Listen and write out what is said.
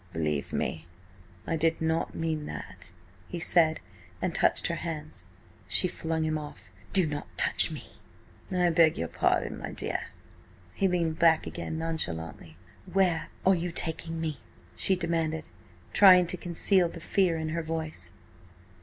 "Believe me, I did not mean that," he said, and touched her hands. She flung him off. "Do not touch me!" "I beg your pardon, my dear." He leaned back again nonchalantly. "Where are you taking me?" she demanded, trying to conceal the fear in her voice.